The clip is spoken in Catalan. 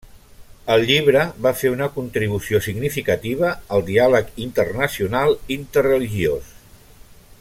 El llibre va fer una contribució significativa al diàleg internacional interreligiós.